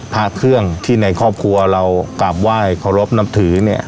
พระเครื่องที่ในครอบครัวเรากราบไหว้เคารพนับถือเนี่ย